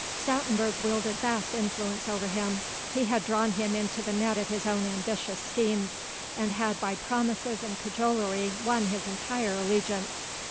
Stoutenburg wielded vast influence over him; he had drawn him into the net of his own ambitious schemes, and had by promises and cajolery won his entire allegiance.